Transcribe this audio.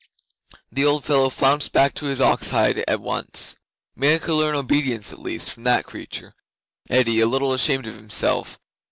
The old fellow flounced back to his ox hide at once. '"Man could learn obedience at least from that creature," said Eddi, a little ashamed of himself.